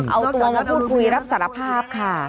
เอาตัวมาพูดคุยรับสารภาพค่ะ